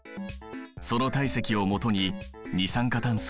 その体積をもとに二酸化炭素